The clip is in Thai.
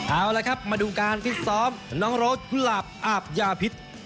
เอาละครับมาดูการฟิตซ้อมน้องโรสกุหลาบอาบยาพิษ